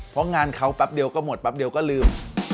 เพราะงานเขาแป๊บเดียวก็หมดแป๊บเดียวก็ลืม